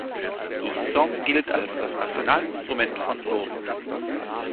Die Saung gilt als das Nationalinstrument von Burma.